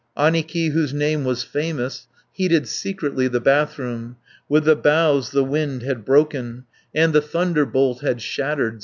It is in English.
Annikki, whose name was famous, Heated secretly the bathroom, With the boughs the wind had broken, And the thunderbolt had shattered.